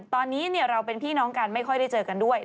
ตอนนี้เราเป็นพี่น้องกันไม่ค่อยได้เจอกันด้วย